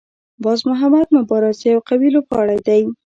باز محمد مبارز یو قوي لوبغاړی دی.